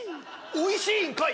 おいしいんかい！